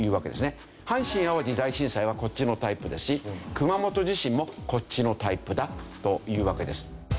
阪神・淡路大震災はこっちのタイプですし熊本地震もこっちのタイプだというわけです。